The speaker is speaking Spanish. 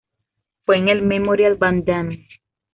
Fue en el Memorial Van Damme.